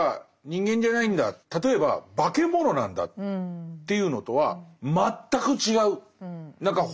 例えば化け物なんだっていうのとは全く違う。